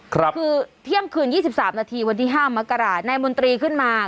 คือเที่ยงคืน๒๓นาทีวันที่๕มกราศนายมนตรีขึ้นมา